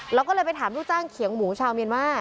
เราก็เลยไปถามลูกจ้างเขียงหมูชาวเมียนมา